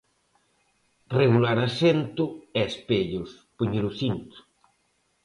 Regular asento e espellos, poñer o cinto.